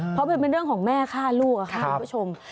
เพราะมันเป็นเรื่องของแม่ฆ่าลูกค่ะคุณผู้ชม